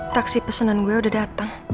taksi pesanan gue udah datang